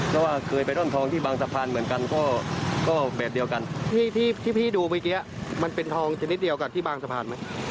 แล้วว่าเคยไปร่อนทองที่บางสะพานเหมือนกันก็แบบเดียวกันที่พี่ดูเมื่อกี้มันเป็นทองชนิดเดียวกับที่บางสะพานไหม